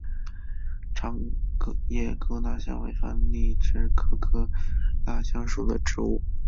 长叶哥纳香为番荔枝科哥纳香属的植物。